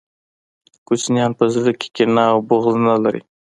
کوچنیان په زړه کي کینه او بغض نلري